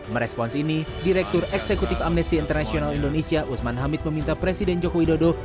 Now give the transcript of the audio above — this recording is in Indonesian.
merespons ini direktur eksekutif amnesty international indonesia usman hamid meminta presiden joko widodo